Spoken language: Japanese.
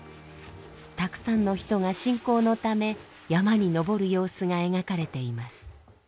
たくさんの人が信仰のため山に登る様子が描かれています。